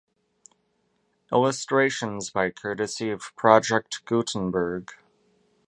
Illustrations by courtesy of Project Gutenberg.